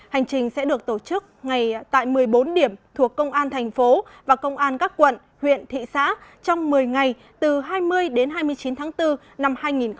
hành trình sẽ được tổ chức ngày tại một mươi bốn điểm thuộc công an thành phố và công an các quận huyện thị xã trong một mươi ngày từ hai mươi đến hai mươi chín tháng bốn năm hai nghìn hai mươi